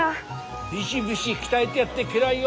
ビシビシ鍛えでやってけらいよ！